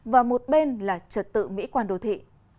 và một bên là trật tự mỹ quan đồ thị